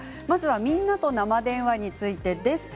「みんなと生電話」についてです。